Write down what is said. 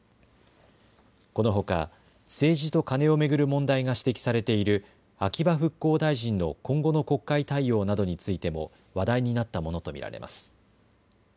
このほか政治とカネを巡る問題が指摘されている秋葉復興大臣の今後の国会対応などについても話題になったものと見られます。